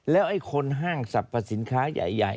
แล้วไอ้คนห้างสรรพสินค้าใหญ่